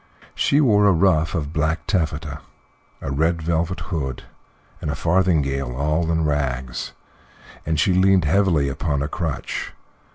She wore a ruff of black taffeta, a red velvet hood, and a farthingale all in rags, and she leaned heavily upon a crutch.